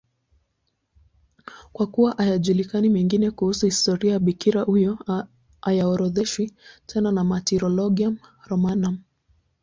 Kwa kuwa hayajulikani mengine kuhusu historia ya bikira huyo, haorodheshwi tena na Martyrologium Romanum.